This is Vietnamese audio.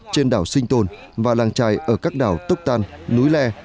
trên đảo sinh tồn và làng trài ở các đảo tốc tan núi le